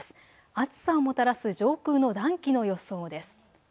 暑さをもたらす上空の暖気の予想です。